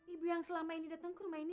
ibu yang selama ini datang ke rumah ini